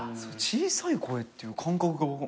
小さい声っていう感覚が。